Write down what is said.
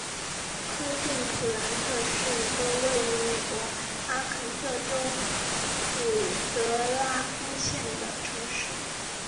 科顿普兰特是一个位于美国阿肯色州伍德拉夫县的城市。